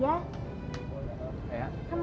kamu udah disini